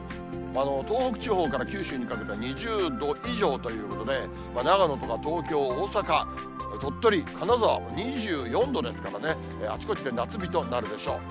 東北地方から九州にかけては２０度以上ということで、長野とか東京、大阪、鳥取、金沢も２４度ですからね、あちこちで夏日となるでしょう。